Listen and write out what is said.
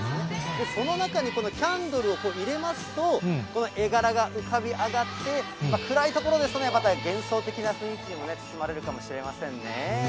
その中にこのキャンドルを入れますと、この絵柄が浮かび上がって、暗い所ですと、幻想的な雰囲気にも包まれるかもしれませんね。